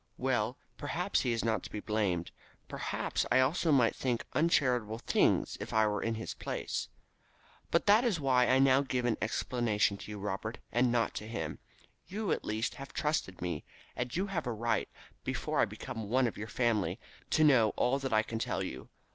Well, perhaps he is not to be blamed. Perhaps I also might think uncharitable things if I were In his place. But that is why I now give an explanation to you, Robert, and not to him. You, at least, have trusted me, and you have a right, before I become one of your family, to know all that I can tell you.